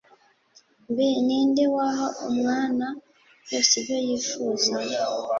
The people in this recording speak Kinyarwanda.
mbe, ni nde waha umwana byose ibyo yifuza ?